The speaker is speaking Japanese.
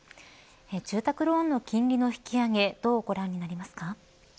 住宅ローンの金利の引き上げどうご覧になりますか。